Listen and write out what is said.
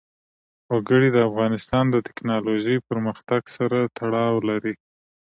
وګړي د افغانستان د تکنالوژۍ پرمختګ سره تړاو لري.